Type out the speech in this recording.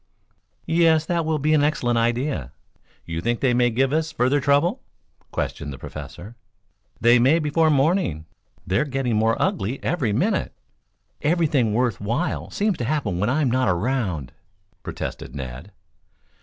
"Yes; that will be an excellent idea. You think they may give as further trouble?" questioned the Professor. "They may before morning. They're getting more ugly every minute." "Everything worth while seems to happen when I am not around," protested Ned.